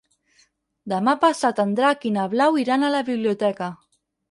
Demà passat en Drac i na Blau iran a la biblioteca.